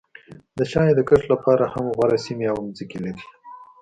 د چای د کښت لپاره هم غوره سیمې او ځمکې لري.